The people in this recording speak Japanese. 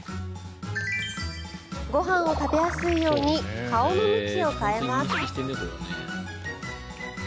ご飯を食べやすいように顔の向きを変えます。